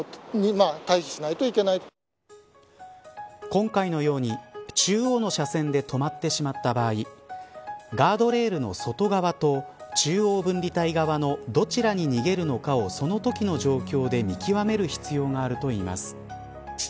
今回のように中央の車線で止まってしまった場合ガードレールの外側と中央分離帯側のどちらに逃げるのかをそのときの状況で見極める必要があるといいます。